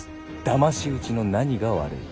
だまし討ちの何が悪い。